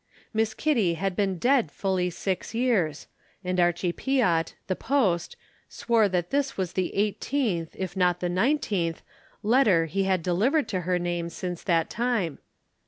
Miss Kitty had been dead fully six years, and Archie Piatt, the post, swore that this was the eighteenth, if not the nineteenth, letter he had delivered to her name since that time.